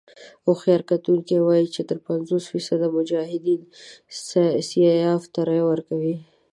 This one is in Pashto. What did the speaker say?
هوښیار کتونکي وايي چې تر پينځوس فيصده مجاهدين سیاف ته رايه ورکوي.